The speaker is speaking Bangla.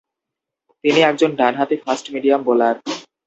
তিনি একজন ডান-হাতি ফাস্ট মিডিয়াম বোলার।